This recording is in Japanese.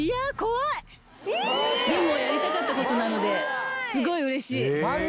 でもやりたかった事なのですごい嬉しい。